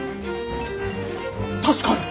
確かに。